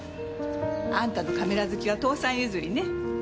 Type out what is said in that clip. あんたのカメラ好きは父さん譲りね。